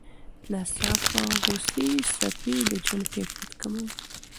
د ناڅاپه غوسې څپې د ژوند کیفیت کموي.